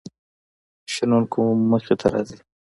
شنونکو مخې ته راځي.